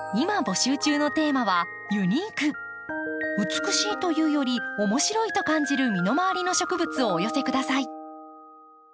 美しいというより面白いと感じる身の回りの植物をお寄せ下さい。